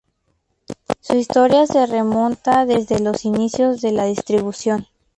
Su historia se remonta desde los inicios de la distribución.